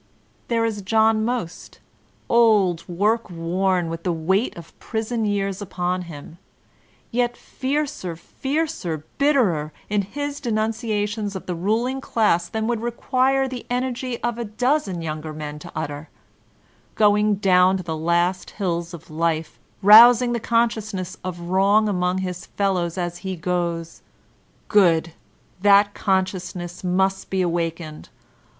There is John Most— old, work worn, with the weight of prison years upon him, — ^yct fiercer, fiercer, bitterer in his denunciations of the ruling class than would require the energy of a dozen younger men to utter — going down the last hills of life, rousing the consciousness of wrong among his fellows as he goes. Good ! That conscious ness must be awakened.